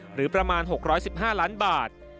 หรือประมาณ๖๑๕ล้านบาท